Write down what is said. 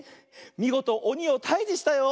みごとおにをたいじしたよ。